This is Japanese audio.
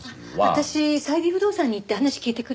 私最美不動産に行って話聞いてくる。